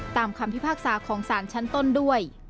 คำพิพากษาของสารชั้นต้นด้วย